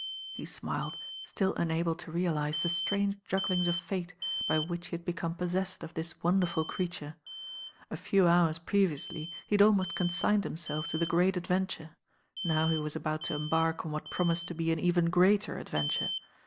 He smiled, still unable to realise the strange jug. glings of fate by which he had become possessed of this wonderful creature. A few hours previously he had almost consigned himself to the Great Adven ture; now he was about to embark on what promised to be an even greater adventure.